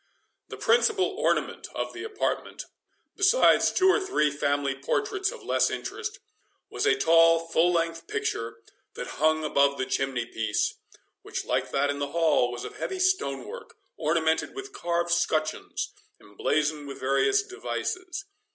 The principal ornament of the apartment, besides two or three family portraits of less interest, was a tall full length picture, that hung above the chimney piece, which, like that in the hall, was of heavy stone work, ornamented with carved scutcheons, emblazoned with various devices.